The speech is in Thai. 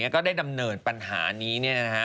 ก็ได้ดำเนินปัญหานี้